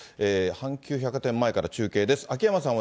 阪急百貨店前から中継です、秋山さん